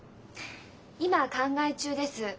今考え中です。